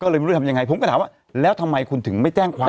ก็เลยไม่รู้ทำยังไงผมก็ถามว่าแล้วทำไมคุณถึงไม่แจ้งความ